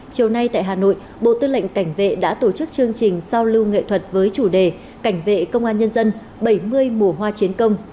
chiều nay tại hà nội bộ tư lệnh cảnh vệ đã tổ chức chương trình giao lưu nghệ thuật với chủ đề cảnh vệ công an nhân dân bảy mươi mùa hoa chiến công